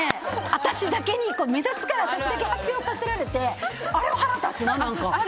私だけに目立つから私だけ発表させられてあれは腹立つな。